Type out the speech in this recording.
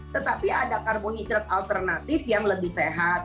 tetapi ada karbohidrat alternatif yang lebih sehat